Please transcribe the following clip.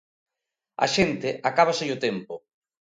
Á xente acábaselle o tempo.